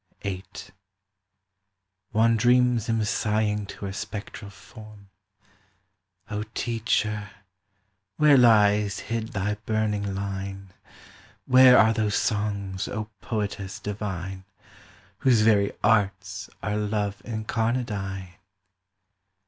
VIII One dreams him sighing to her spectral form: "O teacher, where lies hid thy burning line; Where are those songs, O poetess divine Whose very arts are love incarnadine?"